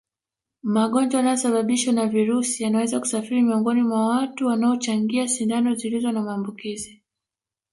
Magonjwa yanayosababishwa na virusi yanaweza kusafiri miongoni mwa watu wanaochangia sindano zilizo na maambukizi